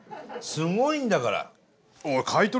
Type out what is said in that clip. すごいんだから。